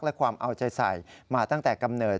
และความเอาใจใส่มาตั้งแต่กำเนิด